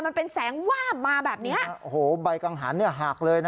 มันเป็นแสงวาบมาแบบเนี้ยโอ้โหใบกังหันเนี่ยหักเลยนะ